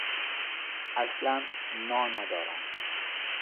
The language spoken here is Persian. اصلا نا ندارم.